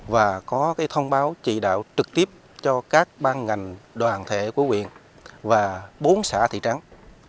và có thông báo chỉ đạo trực tiếp cho các ban ngành đoàn thể của quyện và bốn xã thị trắng